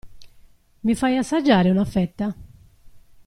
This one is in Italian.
Mi fai assaggiare una fetta?